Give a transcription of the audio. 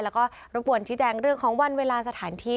แล้วก็รบกวนชี้แจงเรื่องของวันเวลาสถานที่